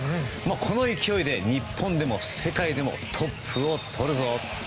この勢いで日本でも世界でもトップをとるぞ！